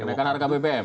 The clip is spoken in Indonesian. yang kenaikan harga bbm